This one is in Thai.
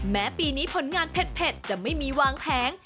แม้ปีนี้ผลงานเผ็ดจะไม่มีวางแผง